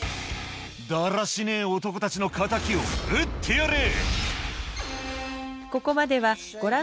だらしねえ男たちの敵を討ってやれ！